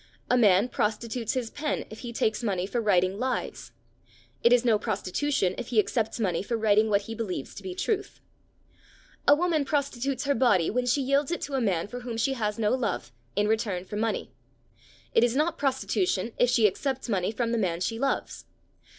A man prostitutes his pen if he takes money for writing lies; it is no prostitution if he accepts money for writing what he believes to be truth. A woman prostitutes her body when she yields it to a man for whom she has no love, in return for money; it is not prostitution if she accepts money from the man she loves.